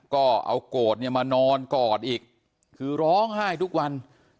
ก็เอาโกรธเนี่ยมานอนกอดอีกคือร้องไห้ทุกวัน